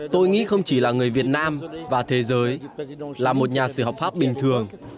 tôi nghĩ không chỉ là người việt nam và thế giới là một nhà sử học pháp bình thường